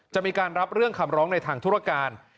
จะมีการรับเรื่องคำร้องในทางธุรการ